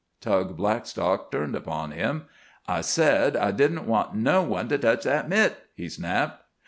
Tug Blackstock turned upon him. "I said I didn't want no one to tech that mitt," he snapped.